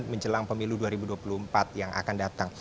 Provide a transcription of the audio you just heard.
menjelang pemilu dua ribu dua puluh empat yang akan datang